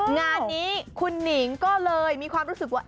งานนี้คุณหนิงก็เลยมีความรู้สึกว่า